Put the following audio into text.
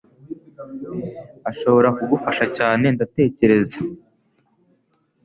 ashobora kugufasha cyane, ndatekereza.